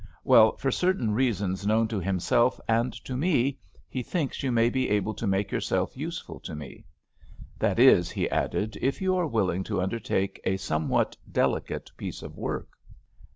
Well, for certain reasons known to himself and to me, he thinks you may be able to make yourself useful to me. That is," he added, "if you are willing to undertake a somewhat delicate piece of work."